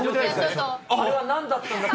あれはなんだったんだと。